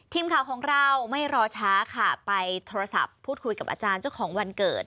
ทีมข่าวของเราไม่รอช้าค่ะไปโทรศัพท์พูดคุยกับอาจารย์เจ้าของวันเกิด